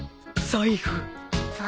財布？